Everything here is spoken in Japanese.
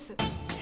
え？